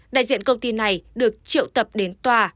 đại diện công ty này được triệu tập đến tòa